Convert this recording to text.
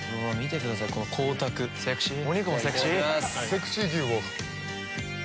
セクシー牛を！